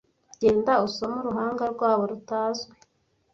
genda usome uruhanga rwabo rutazwi